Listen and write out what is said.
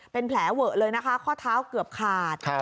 เป็นแผลเวอะเลยนะคะข้อเท้าเกือบขาด